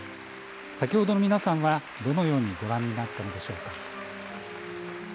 先ほどの皆さんは、どのようにご覧になったのでしょうか。